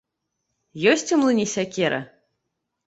Ёсць у млыне сякера?